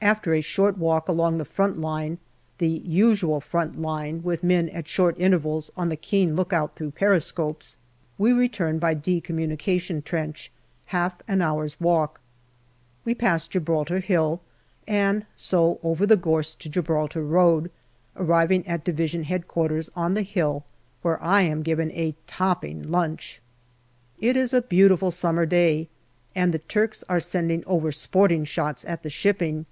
After a short walk along the front line the usual front line, with men at short intervals on the keen lookout through periscopes we return by " D " communication trench, half an hour's walk. We pass Gibraltar Hill, and so over the gorse to Gibraltar road, arriving at D.H.Q. on the hill, where I am given a topping lunch. It is a beautiful summer day, and the Turks are sending over sporting shots at the shipping.